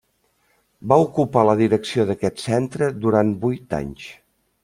Va ocupar la direcció d'aquest centre durant vuit anys.